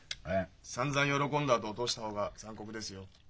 さんざん喜んだあと落とした方が残酷ですよ。